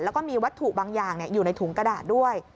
แล้วก็มีวัตถุบางอย่างอยู่ในถุงกระดาษด้วย